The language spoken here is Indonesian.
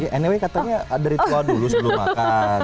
nyway katanya ada ritual dulu sebelum makan